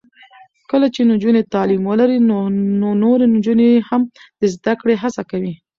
کله چې نجونې تعلیم ولري، نو نورې نجونې هم د زده کړې هڅې کوي.